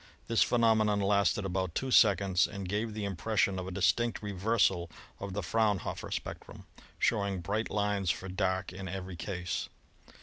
This phenomenon lasted for about two seconds and gave the impression of a distinct reversal of the Fraun hofer spectrum, showing bright lines for dark in every case.